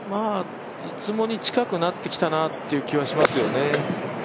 いつもに近くなってきたかなという気はしますね。